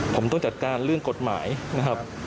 ผมต้องจัดการเรื่องกฎหมายนะครับ